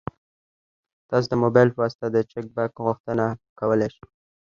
تاسو د موبایل په واسطه د چک بک غوښتنه کولی شئ.